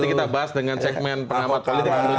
nanti kita bahas dengan segmen pengamat politik indonesia